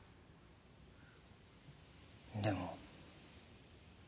でも。